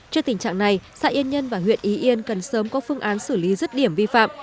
trước tình trạng này xã yên nhân và huyện y yên cần sớm có phương án xử lý rứt điểm vi phạm